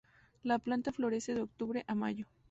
La planta florece de octubre a mayo.